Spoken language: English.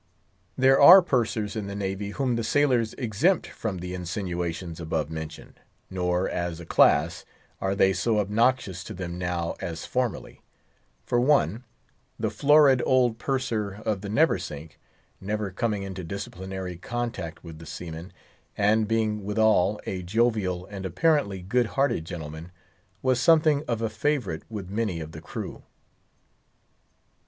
There are Pursers in the Navy whom the sailors exempt from the insinuations above mentioned, nor, as a class, are they so obnoxious to them now as formerly; for one, the florid old Purser of the Neversink—never coming into disciplinary contact with the seamen, and being withal a jovial and apparently good hearted gentleman—was something of a favourite with many of the crew.